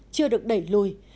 chưa được đẩy lùi